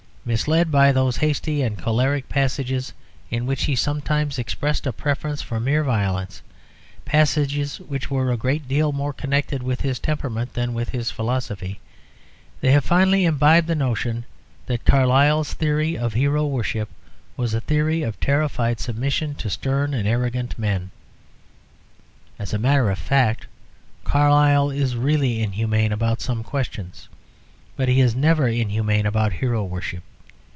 Misled by those hasty and choleric passages in which he sometimes expressed a preference for mere violence, passages which were a great deal more connected with his temperament than with his philosophy, they have finally imbibed the notion that Carlyle's theory of hero worship was a theory of terrified submission to stern and arrogant men. As a matter of fact, Carlyle is really inhumane about some questions, but he is never inhumane about hero worship.